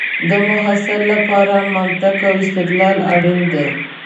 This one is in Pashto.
د محصل لپاره منطق او استدلال اړین دی.